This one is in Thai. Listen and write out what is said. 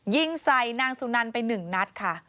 ยิงใส่นางสุนันไป๑นัดค่ะ